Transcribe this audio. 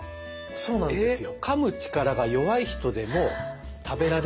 そうなんですよ。